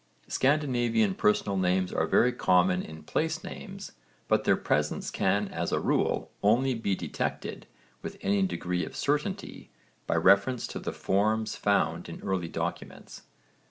Scandinavian personal names are very common in place names but their presence can as a rule only be detected with any degree of certainty by reference to the forms found in early documents.